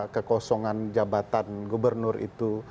kekosongan jabatan gubernur itu